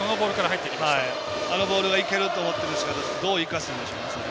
あのボールはいけると思ってるんですけどどう生かすんでしょうかね。